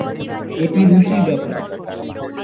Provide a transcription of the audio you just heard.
এটা রুচির ব্যাপার।